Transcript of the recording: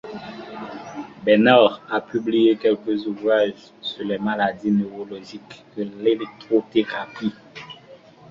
Bernhardt a publié quelques ouvrages sur les maladies neurologiques et l'électrothérapie.